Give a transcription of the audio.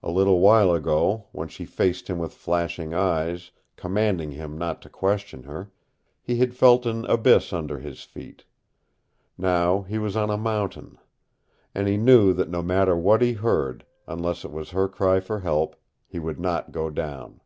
A little while ago, when she faced him with flashing eyes, commanding him not to question her, he had felt an abyss under his feet. Now he was on a mountain. And he knew that no matter what he heard, unless it was her cry for help, he would not go down.